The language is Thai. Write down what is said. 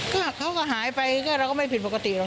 ก็เขาก็หายไปก็เราก็ไม่ผิดปกติหรอ